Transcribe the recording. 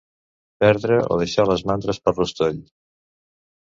Perdre o deixar les manades pel rostoll.